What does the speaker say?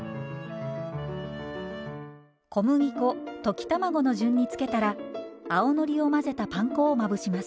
小麦粉溶き卵の順に付けたら青のりを混ぜたパン粉をまぶします。